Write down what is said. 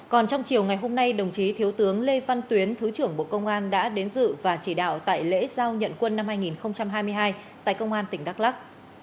còn trong chiều ngày hôm nay đồng chí thiếu tướng lê văn tuyến thứ trưởng bộ công an đã đến dự và chỉ đạo tại lễ giao nhận quân năm hai nghìn hai mươi hai tại công an tỉnh đắk lắc